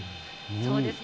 そうですね。